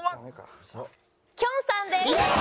きょんさんです！